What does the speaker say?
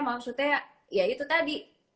maksudnya ya itu tadi